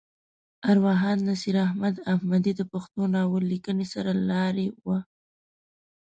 ارواښاد نصیر احمد احمدي د پښتو ناول لیکنې سر لاری وه.